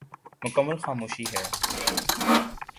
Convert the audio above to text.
مکمل خاموشی ہے۔